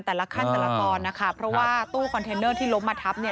แต่ละขั้นแต่ละตอนนะคะเพราะว่าตู้คอนเทนเนอร์ที่ล้มมาทับเนี่ย